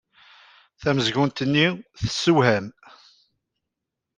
Tamezgunt-nni tessewham.